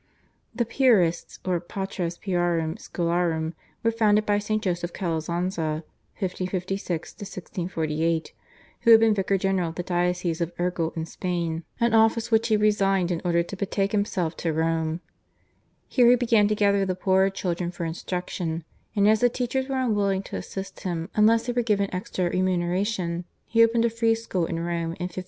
The Piarists or Patres Piarum Scholarum were founded by St. Joseph Calazansa (1556 1648), who had been vicar general of the diocese of Urgel in Spain, an office which he resigned in order to betake himself to Rome. Here he began to gather the poorer children for instruction, and as the teachers were unwilling to assist him unless they were given extra remuneration, he opened a free school in Rome in 1597.